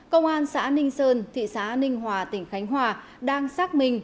công an xã ninh sơn thị xã ninh hòa tỉnh khánh hòa đang xác minh